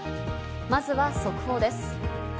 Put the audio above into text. まずは速報です。